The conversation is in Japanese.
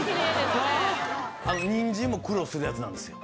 ニンジンも苦労するやつなんですよ。